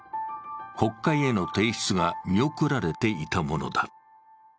国会への提出が見送られていたものだ。